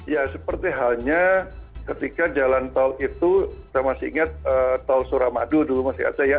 ya seperti halnya ketika jalan tol itu kita masih ingat tol suramadu dulu masih ada ya